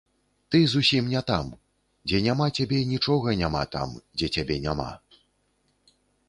Ты зусім не там, дзе няма цябе нічога няма там, дзе цябе няма.